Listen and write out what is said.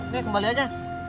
nih kembali aja